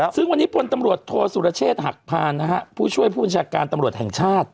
ซึ่งวันนี้พลตำรวจโทษสุรเชษฐ์หักพานนะฮะผู้ช่วยผู้บัญชาการตำรวจแห่งชาติ